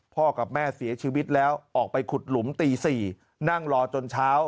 กับแม่เสียชีวิตแล้วออกไปขุดหลุมตี๔นั่งรอจนเช้า